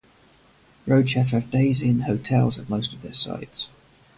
Roadchef have Days Inn Hotels at most of their sites.